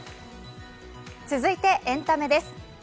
続いて、エンタメです。